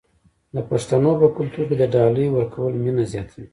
د پښتنو په کلتور کې د ډالۍ ورکول مینه زیاتوي.